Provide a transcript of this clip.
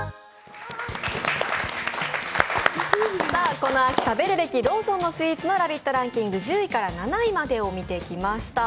この秋食べるべきローソンのスイーツランキング、１０位から７位までを見てきました。